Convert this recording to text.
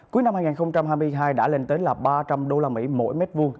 cuối năm hai nghìn hai mươi hai đã lên tới ba trăm linh đô la mỹ mỗi mét vuông